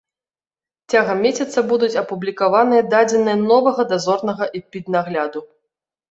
Цягам месяца будуць апублікаваныя дадзеныя новага дазорнага эпіднагляду.